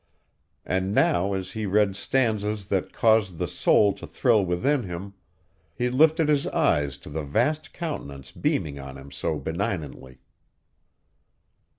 And now as he read stanzas that caused the soul to thrill within him, he lifted his eyes to the vast countenance beaming on him so benignantly.